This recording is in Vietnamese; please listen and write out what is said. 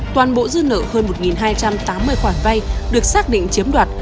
toàn bộ dư nợ hơn một hai trăm tám mươi khoản vay được xác định chiếm đoạt